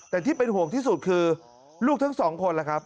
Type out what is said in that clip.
แต่ที่เป็นห่วงที่สุดคือลูกทั้งสองคนล่ะครับ